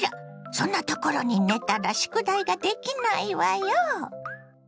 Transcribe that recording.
そんなところに寝たら宿題ができないわよ。